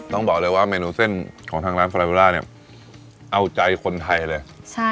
ต้องบอกเลยว่าเมนูเส้นของทางร้านเนี้ยเอาใจคนไทยเลยใช่ค่ะ